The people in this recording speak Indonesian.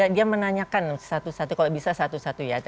dia menanyakan satu satu kalau bisa satu satu ya